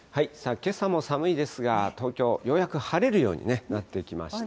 けさも寒いですが、東京、ようやく晴れるようになってきました。